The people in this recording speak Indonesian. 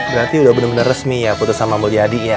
berarti sudah benar benar resmi ya putus sama mbak yadi ya